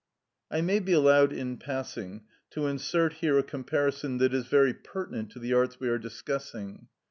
I may be allowed, in passing, to insert here a comparison that is very pertinent to the arts we are discussing.